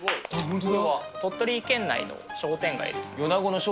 鳥取県内の商店街です。